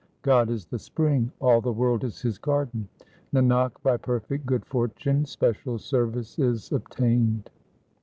God is the spring ; all the world is His garden. Nanak, by perfect good fortune special service is obtained.